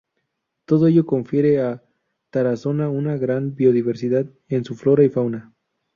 Todo ello confiere a Tarazona una gran biodiversidad en su flora y fauna.